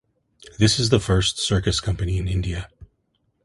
This is the first circus company in India.